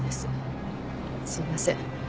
すいません。